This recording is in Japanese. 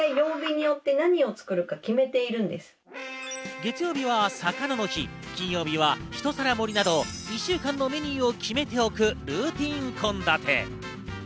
月曜日は魚の日、金曜日はひと皿盛りなど、１週間のメニューを決めておく、ルーティン献立。